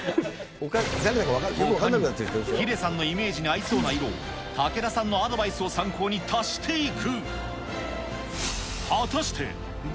ほかにヒデさんのイメージに合いそうな色を、武田さんのアドバイスを参考に足していく。